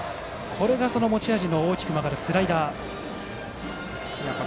これが持ち味の大きく曲がるスライダーですか。